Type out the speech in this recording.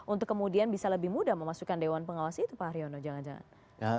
untuk kemudian bisa lebih mudah memasukkan dewan pengawas itu pak haryono jangan jangan